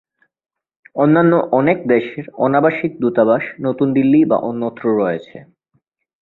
অন্যান্য অনেক দেশের অনাবাসিক দূতাবাস নতুন দিল্লী বা অন্যত্র রয়েছে।